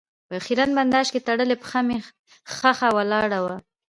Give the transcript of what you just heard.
په خېرن بنداژ کې تړلې پښه مې ښخه ولاړه وه.